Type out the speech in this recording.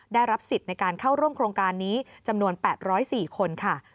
ได้รับสิทธิ์ในการเข้าร่วมโครงการนี้จำนวน๘๐๔คนค่ะ